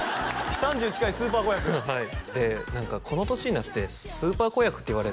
３０近いスーパー子役はいで「何かこの年になってスーパー子役って言われるの」